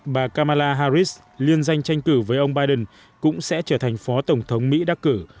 bà kamala harris liên danh tranh cử với ông biden cũng sẽ trở thành phó tổng thống mỹ đắc cử